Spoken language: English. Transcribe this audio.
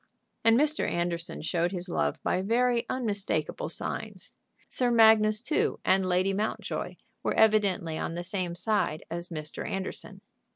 And Mr. Anderson showed his love by very unmistakable signs. Sir Magnus too, and Lady Mountjoy, were evidently on the same side as Mr. Anderson.